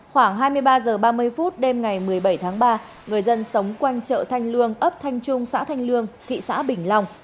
khoảng hai mươi ba h ba mươi phút đêm ngày một mươi bảy tháng ba người dân sống quanh chợ thanh lương ấp thanh trung xã thanh lương thị xã bình long